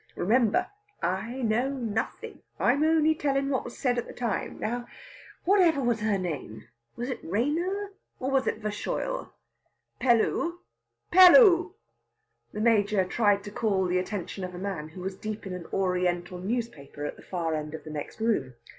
Remember, I know nothing; I'm only tellin' what was said at the time.... Now, whatever was her name? Was it Rayner, or was it Verschoyle? Pelloo!... Pelloo!..." The Major tried to call the attention of a man who was deep in an Oriental newspaper at the far end of the next room.